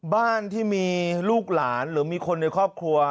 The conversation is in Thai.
บ้านที่มีลูกหลานหรือมีคนในครอบครัว